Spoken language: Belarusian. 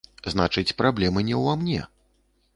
Значыць, праблемы не ўва мне.